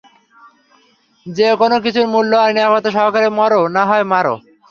যে কোনো কিছুর মূল্যে আর নিরাপত্তা সহকারে মরো, না হয় মারো।